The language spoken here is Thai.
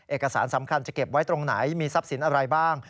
เอกสารสำคัญจะเก็บไว้ตรงไหนมีทรัพย์สินอะไรบ้าง